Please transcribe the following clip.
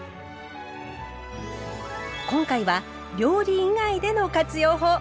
今回は料理以外での活用法。